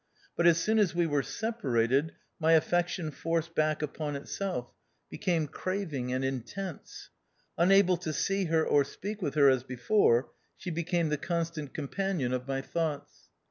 But, as soon as we were separated, my affection forced back upon itself, became craving and intense. Unable to see her or speak with her as before, she became the constant companion of my thoughts.